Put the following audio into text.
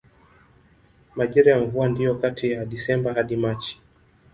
Majira ya mvua ndiyo kati ya Desemba hadi Machi.